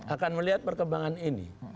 akan melihat perkembangan ini